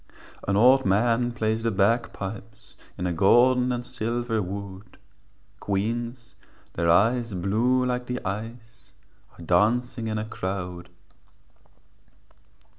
An old man plays the bagpipes In a golden and silver wood, Queens, their eyes blue like the ice, Are dancing in a crowd.